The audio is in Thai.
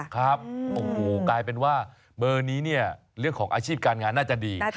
ครับโอ้โหกลายเป็นว่าเบอร์นี้เนี่ยเรื่องของอาชีพการงานน่าจะดี